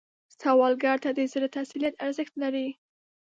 سوالګر ته د زړه تسلیت ارزښت لري